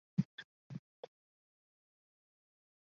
斯托姆博格龙可能是赖索托龙的成年个体。